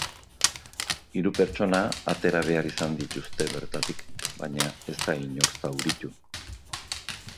Hiru pertsona atera behar izan dituzte bertatik, baina ez da inor zauritu.